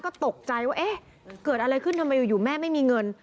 ก็ตกใจว่าเอ๊ะเกิดอะไรขึ้นทำไมอยู่แม่ไม่มีเงิน